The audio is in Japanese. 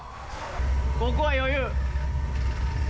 ここは余裕。